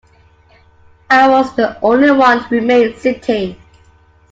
I was the only one who remained sitting.